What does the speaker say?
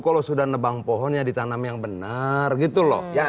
kalau sudah nebang pohonnya ditanam yang benar gitu loh